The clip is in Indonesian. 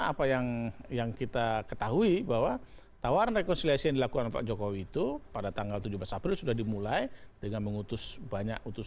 apa yang yang kita ketahui bahwa tawaran rekonsiliasi dilakukan pak jokowi itu pada tanggal tujuh belas april sudah dimulai dengan mengutus perubahan yang terjadi di jokowi